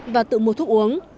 và tự mua thuốc uống